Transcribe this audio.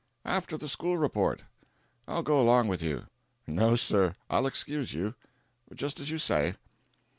"After the school report." "I'll go along with you." "No, sir. I'll excuse you." "Just as you say."